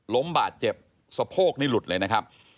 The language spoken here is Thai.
บาดเจ็บสะโพกนี่หลุดเลยนะครับ